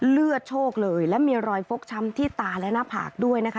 เลือดโชคเลยและมีรอยฟกช้ำที่ตาและหน้าผากด้วยนะคะ